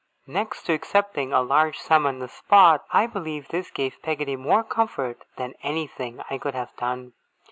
Next to accepting a large sum on the spot, I believe this gave Peggotty more comfort than anything I could have done.